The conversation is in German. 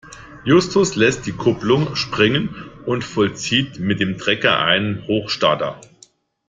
Justus lässt die Kupplung springen und vollzieht mit dem Trecker einen Hochstarter.